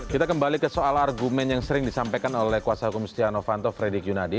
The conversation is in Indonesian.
kita kembali ke soal argumen yang sering disampaikan oleh kuasa hukum stiano vanto fredy kiyunadi